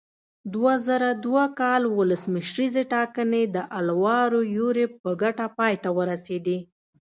دوه زره دوه کال ولسمشریزې ټاکنې د الوارو یوریب په ګټه پای ته ورسېدې.